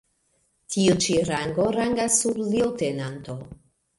Tiu ĉi rango rangas sub leŭtenanto.